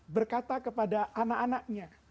berkata kepada anak anaknya